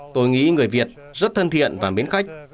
tôi nghĩ người việt rất thân thiện và mến khách